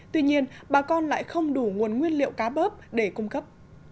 tuy nhiên bà con lại không đủ nguồn nguyên liệu cá bớp để cung cấp